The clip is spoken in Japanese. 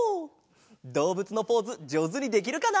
どうぶつのポーズじょうずにできるかな？